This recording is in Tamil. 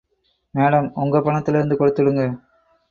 மேடம்... ஓங்க பணத்துல இருந்து கொடுத்துடுங்க.